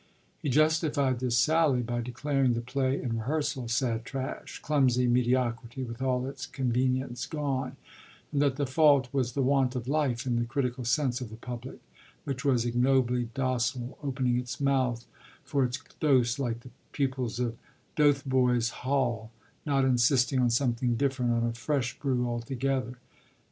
He justified this sally by declaring the play in rehearsal sad trash, clumsy mediocrity with all its convenience gone, and that the fault was the want of life in the critical sense of the public, which was ignobly docile, opening its mouth for its dose like the pupils of Dotheboys Hall; not insisting on something different, on a fresh brew altogether.